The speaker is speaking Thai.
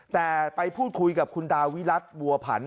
แต่ไปพูดคุยกับคุณตาวิรัติบัวผัน